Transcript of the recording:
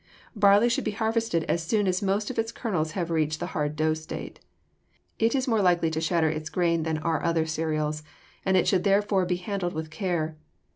Barley should be harvested as soon as most of its kernels have reached the hard dough state. It is more likely to shatter its grain than are other cereals, and it should therefore be handled with care.